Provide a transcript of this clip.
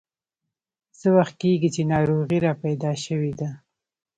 څه وخت کېږي چې ناروغي راته پیدا شوې ده.